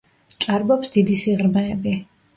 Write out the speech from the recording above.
ჭარბობს დიდი სიღრმეები.